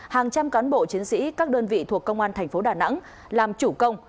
hàng trăm cán bộ chiến sĩ các đơn vị thuộc công an tp đà nẵng làm chủ công